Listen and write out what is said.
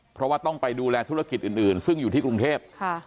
เพราะว่าต้องไปดูแลธุรกิจอื่นซึ่งอยู่ที่กรุงเทพ